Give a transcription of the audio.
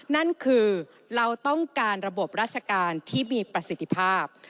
นั่นคือเราต้องการระบบราชการที่มีประสิทธิภาพ